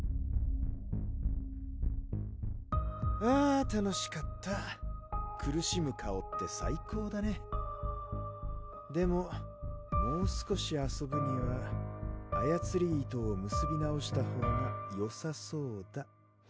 あ楽しかった苦しむ顔って最高だねでももう少し遊ぶにはあやつり糸をむすび直したほうがよさそうだ